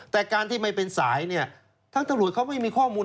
แต่การที่ไม่เป็นสายเนี่ยทั้งตำรวจเขาไม่มีข้อมูล